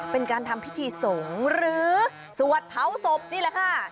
เป็นการทำพิธีสงฆ์หรือสวดเผาศพนี่แหละค่ะ